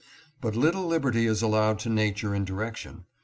But little liberty is allowed to nature in direction.